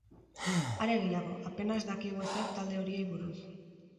Are gehiago, apenas dakigu ezer talde horiei buruz.